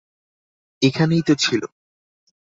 এখানেই তো ছিল।